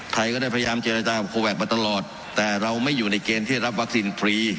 ไทยก็ได้พยายามเจรจากับโคแวคมาตลอดแต่เราไม่อยู่ในเกณฑ์ที่ได้รับวัคซีนฟรี